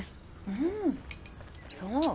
うんそう？